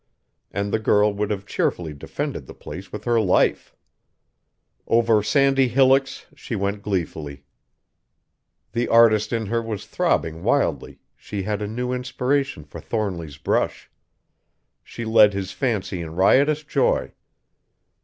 And the girl would have cheerfully defended the place with her life. Over sandy hillocks she went gleefully. The artist in her was throbbing wildly, she had a new inspiration for Thornly's brush! She led his fancy in riotous joy.